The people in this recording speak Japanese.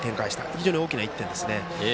非常に大きな１点ですね。